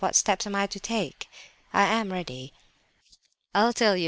What steps am I to take? I am ready." "I'll tell you.